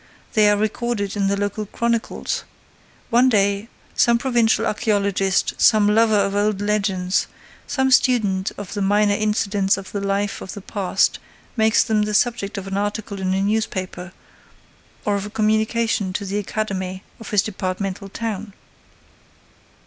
They are recorded in the local chronicles. One day, some provincial archaeologist, some lover of old legends, some student of the minor incidents of the life of the past makes them the subject of an article in a newspaper or of a communication to the academy of his departmental town.